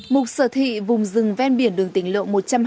mục sở thị vùng rừng ven biển đường tỉnh lộ một trăm hai mươi